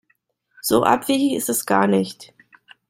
So abwegig ist das gar nicht.